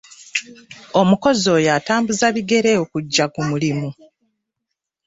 Omukozi oyo atambuza bigere okujja ku mulimu.